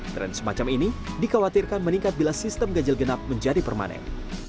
tren semacam ini dikhawatirkan meningkat bila sistem ganjil genap menjadi permanen